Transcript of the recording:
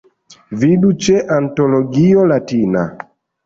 Vidu ĉe Antologio Latina.